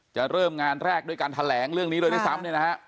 จะเริ่มงานแรกด้วยการแถลงเรื่องนี้เลยได้ซ้ำ